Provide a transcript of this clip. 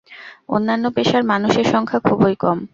অন্যান্য পেশার মানুষের সংখ্যা খুবই কম।